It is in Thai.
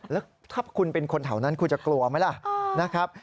แล้วถ้าคุณเป็นคนเถานั้นคุณจะกลัวไหมล่ะ